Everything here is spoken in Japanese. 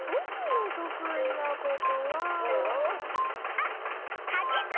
あっかけっこ！